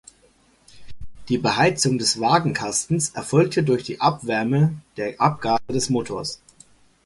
Die Beheizung des Wagenkastens erfolgte durch die Abwärme der Abgase des Motors.